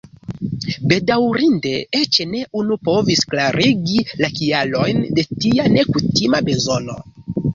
Bedaŭrinde eĉ ne unu povis klarigi la kialojn de tia nekutima bezono.